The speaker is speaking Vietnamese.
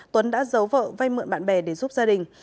tuấn đã giấu vợ vay mượn bạn bè để giúp gia đình